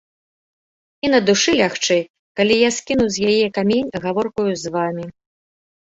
І на душы лягчэй, калі я скінуў з яе камень гаворкаю з вамі.